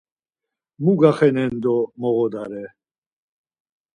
Mu gaxenen do moğodare!